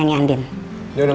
aku tunggu bentar